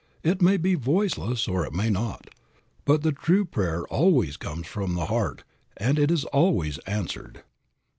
It may be voiceless or it may not, but the true prayer always comes from the heart, and it is always answered.